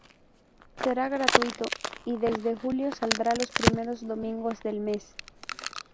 Será gratuito y, desde julio, saldrá los primeros domingos del mes.